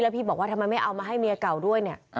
พี่บอกว่าทำไมไม่เอามาให้เมียเก่าด้วยเนี่ย